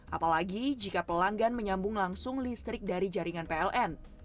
apalagi jika pelanggan menyambung langsung listrik dari jaringan pln